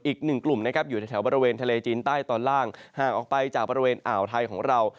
อีกหนึ่งกลุ่มนะครับอยู่ในแถวบริเวณทะเลจีนใต้ตอนล่างห่างออกไปจากบริเวณอ่าวไทยของเรา